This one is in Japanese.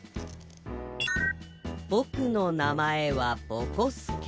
「ぼくのなまえは、ぼこすけ。